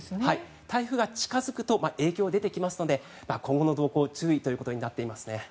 台風が近付くと影響が出てきますので今後の動向に注意ということになっています。